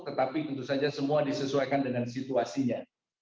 tetapi tentu saja semua disesuaikan dengan situasinya